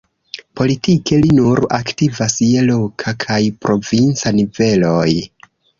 Politike li nur aktivas je loka kaj provinca niveloj.